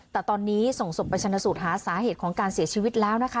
แต่ตอนนี้ส่งศพไปชนะสูตรหาสาเหตุของการเสียชีวิตแล้วนะคะ